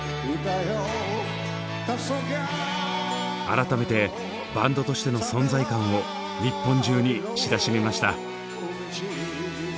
改めてバンドとしての存在感を日本中に知らしめました。